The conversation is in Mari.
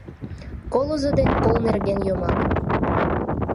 КОЛЫЗО ДЕН КОЛ НЕРГЕН ЙОМАК